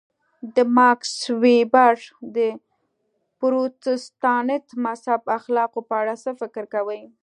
د ماکس وېبر د پروتستانت مذهب اخلاقو په اړه څه فکر کوئ.